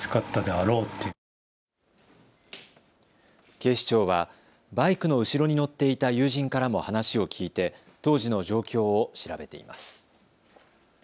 警視庁はバイクの後ろに乗っていた友人からも話を聞いて当時の状況を調べています。